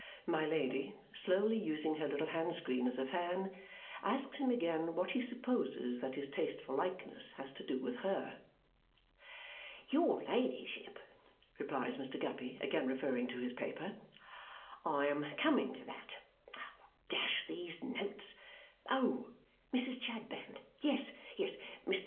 My Lady, slowly using her little hand screen as a fan, asks him again what he supposes that his taste for likenesses has to do with her. "Your ladyship," replies Mr. Guppy, again referring to his paper, "I am coming to that. Dash these notes! Oh! 'Mrs. Chadband.' Yes." Mr.